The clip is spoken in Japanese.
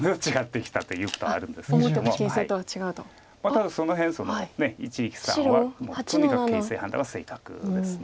ただその辺一力さんはとにかく形勢判断は正確ですので。